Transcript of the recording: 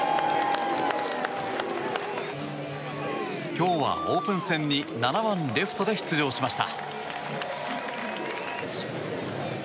今日はオープン戦に７番レフトで出場しました。